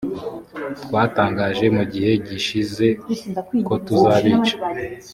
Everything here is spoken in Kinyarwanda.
twatangaje mu gihe gishize kotuzabica